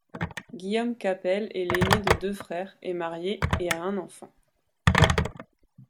Guillaume Capelle est l'ainé de deux frères, est marié et a un enfant.